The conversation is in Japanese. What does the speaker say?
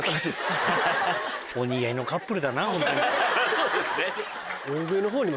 そうですね。